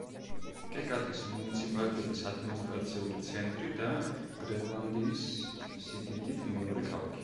კეკატის მუნიციპალიტეტის ადმინისტრაციული ცენტრი და გრენლანდიის სიდიდით მეორე ქალაქი.